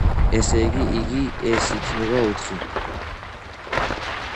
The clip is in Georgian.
ესე იგი, ეს იქნება ოთხი.